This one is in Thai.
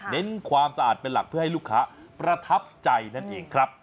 เน้นความสะอาดเป็นหลักเพื่อให้ลูกค้าประทับใจนั่นเองครับ